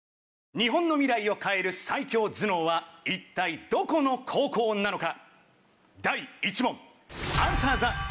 日本の未来を変える最強頭脳は一体どこの高校なのか？